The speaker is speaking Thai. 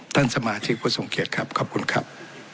ต้านสมาธิกพุทธสงเขตครับขอบคุณครับ